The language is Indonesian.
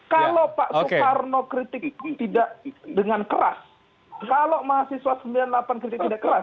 kalau pak soekarno kritik pun tidak dengan keras kalau mahasiswa sembilan puluh delapan kritik tidak keras